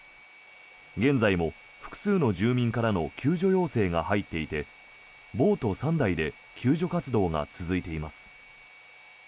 現在も複数の住民からの救助要請が入っていてボート３台で救助活動が続いています。